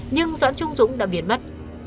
nhưng doãn trung dũng đã biến mất